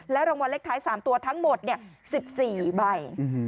รางวัลเลขท้าย๓ตัวทั้งหมด๑๔ใบ